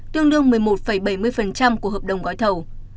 tương đương một mươi một bảy mươi của hợp đồng gói thầu